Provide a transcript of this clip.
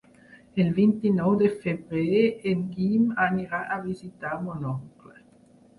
El vint-i-nou de febrer en Guim anirà a visitar mon oncle.